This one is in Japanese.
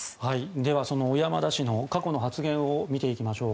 では、その小山田氏の過去の発言を見ていきましょう。